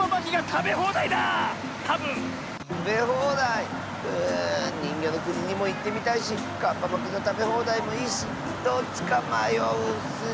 たべほうだい⁉ううにんぎょのくににもいってみたいしカッパまきのたべほうだいもいいしどっちかまようッスー。